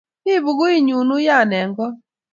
Mi pukuit nyu uya eng' kot